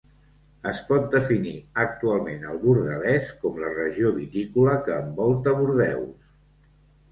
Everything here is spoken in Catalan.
Es pot definir actualment el Bordelès com la regió vitícola que envolta Bordeu.